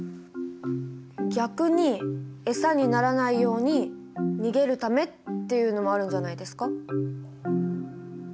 逆にエサにならないように逃げるためっていうのもあるんじゃないですか？